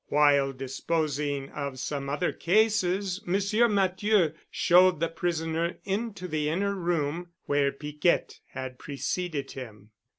While disposing of some other cases, Monsieur Matthieu showed the prisoner into the inner room, where Piquette had preceded him.